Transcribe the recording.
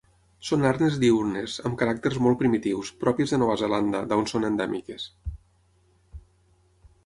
Són arnes diürnes, amb caràcters molt primitius, pròpies de Nova Zelanda, d'on són endèmiques.